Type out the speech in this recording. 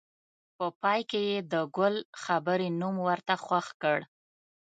په پای کې یې د ګل خبرې نوم ورته خوښ کړ.